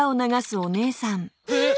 えっ！？